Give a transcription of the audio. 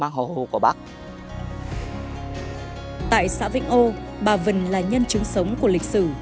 tại xã vĩnh âu bà vân là nhân chứng sống của lịch sử